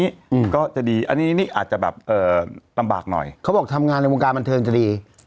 อืมก็จะดีอันนี้นี่อาจจะแบบเอ่อลำบากหน่อยเขาบอกทำงานในวงการบันเทิงจะดี